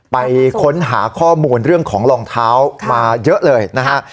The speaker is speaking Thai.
ไปค้นหาข้อมูลเรื่องของรองเท้ามาเยอะเลยนะฮะ